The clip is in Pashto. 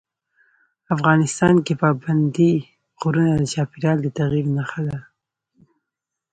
افغانستان کې پابندی غرونه د چاپېریال د تغیر نښه ده.